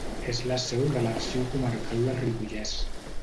És la seu de l'Arxiu Comarcal del Ripollès.